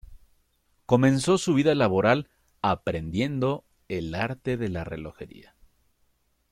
Comenzó su vida laboral aprendiendo el arte de la relojería.